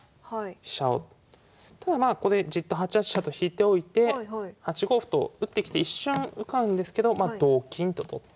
飛車をただまあじっとここで８八飛車と引いておいて８五歩と打ってきて一瞬受かるんですけど同金と取って。